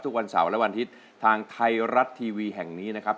ทุกวันเสาร์และวันอาทิตย์ทางไทยรัฐทีวีแห่งนี้นะครับ